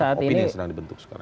opini yang sedang dibentuk sekarang